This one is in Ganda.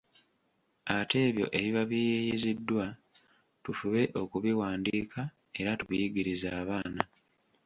Ate ebyo ebiba biyiiyiziddwa tufube okubiwandiika era tubiyigirize abaana.